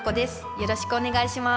よろしくお願いします。